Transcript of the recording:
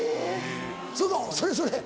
そうそうそれそれ。